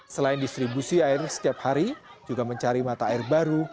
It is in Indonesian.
selain distribusi air setiap hari juga mencari mata air baru